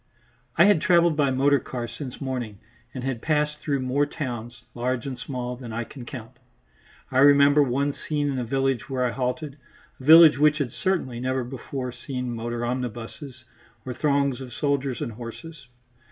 I had travelled by motor car since morning, and had passed through more towns, large and small, than I can count. I remember one scene in a village where I halted, a village which had certainly never before seen motor omnibuses or throngs of soldiers and horses.